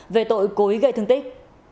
về tội cố ý gây thương tích